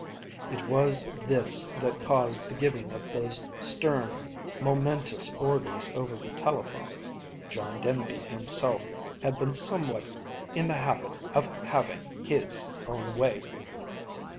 It was this that caused the giving of those stern, momentous orders over the telephone John Denby himself had been somewhat in the habit of having his own way!